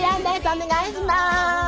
お願いします。